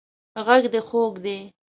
غږ دې خوږ دی